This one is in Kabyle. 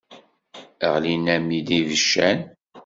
Ɣlin-am-id ibeccan.